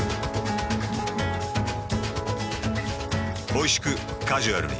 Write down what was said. おいしくカジュアルに。